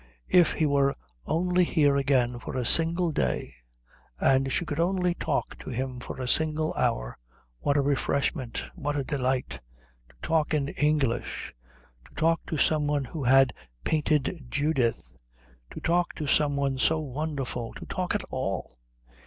If he were only here again for a single day and she could only talk to him for a single hour, what a refreshment, what a delight: to talk in English; to talk to some one who had painted Judith; to talk to some one so wonderful; to talk at all!